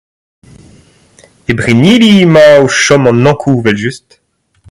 E Brenniliz emañ o chom an Ankoù evel-just.